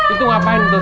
itu ngapain tuh